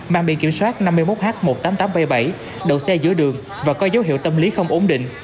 mang biển kiểm soát năm mươi một h một mươi tám nghìn tám trăm bảy mươi bảy đậu xe giữa đường và có dấu hiệu tâm lý không ổn định